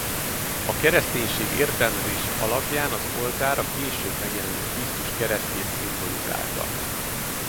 A kereszténység értelmezése alapján az oltár a később megjelenő Krisztus keresztjét szimbolizálta.